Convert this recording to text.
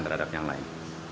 terhadap yang lain